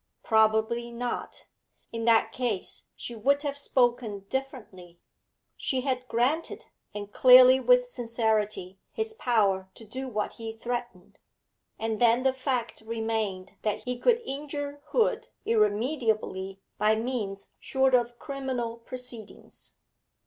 Probably not; in that case she would have spoken differently she had granted, and clearly with sincerity, his power to do what he threatened. And then the fact remained that he could injure Hood irremediably by means short of criminal proceedings.